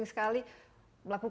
jadi kita harus